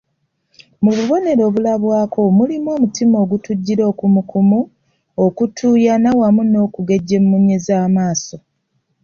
Mu bubonero obulabwako mulimu omutima okutujjira okumukumu, okutuuyana wamu n'okugejja emmunye z'amaaso